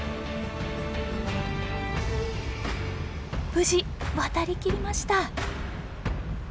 無事渡りきりました！